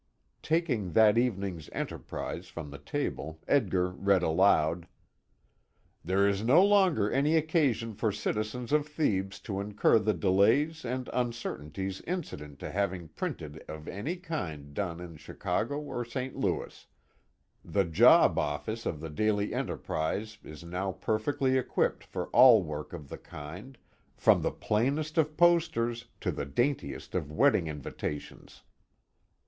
Taking that evening's Enterprise from the table Edgar read aloud: "There is no longer any occasion for citizens of Thebes to incur the delays and uncertainties incident to having printing of any kind done in Chicago or St. Louis. The job office of the Daily Enterprise is now perfectly equipped for all work of the kind, from the plainest of posters to the daintiest of wedding invitations."